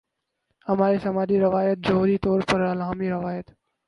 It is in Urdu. ہماری سماجی روایت جوہری طور پر الہامی روایت ہے۔